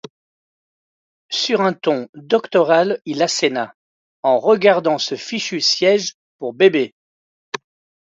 Sur un ton doctoral, il asséna :— En regardant ce fichu siège pour bébé !